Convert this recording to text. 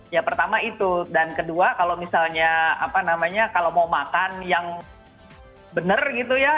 ya pertama itu dan kedua kalau misalnya apa namanya kalau mau makan yang benar gitu ya